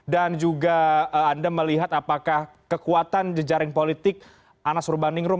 dan juga anda melihat apakah kekuatan jejaring politik anas urbandingrum